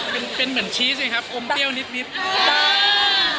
เป็นเหมือนชีสไอ้ครับอมเที่ยวนิด